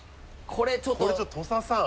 これちょっと土佐さん！